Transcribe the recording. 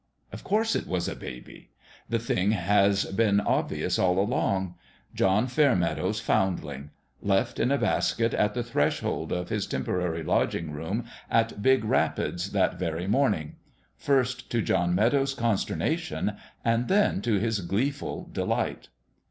Of course, it was a baby ! The thing has been obvious all along. John Fairmeadow's found ling: left in a basket at the threshold of his temporary lodging room at Big Rapids that very morning first to John Fairmeadow's con sternation, and then to his gleeful delight.